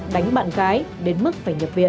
đánh bạn gái đến mức phải nhập viện